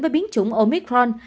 với biến chủng omicron